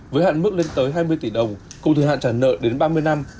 với hạn mức lên tới hai mươi tỷ đồng cùng thời hạn trả nợ đến ba mươi năm